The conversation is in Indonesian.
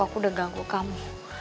gak mau ganggu kamu